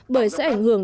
bởi sẽ ảnh hưởng